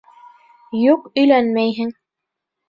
Юҡ, өйләнмәйһең!